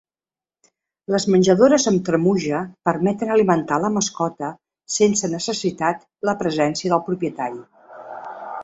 Les menjadores amb tremuja permeten alimentar la mascota sense necessitat la presència del propietari.